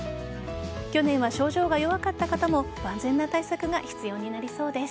去年は症状が弱かった方も万全な対策が必要になりそうです。